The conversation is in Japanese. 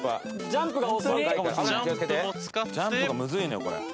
ジャンプがむずいのよこれ。